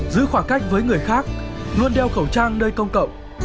giữ khoảng cách với người khác luôn đeo khẩu trang nơi công cộng